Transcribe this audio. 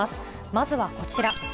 まずはこちら。